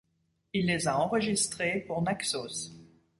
Il les a enregistrées pour Naxos.